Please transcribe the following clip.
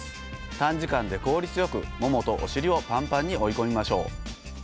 短時間で効率よくももとお尻をパンパンに追い込みましょう。